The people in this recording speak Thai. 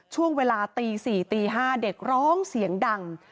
ช่วงเวลาตี๔ตี๕เด็กร้องเสียงดัง